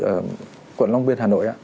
ở quận long biên hà nội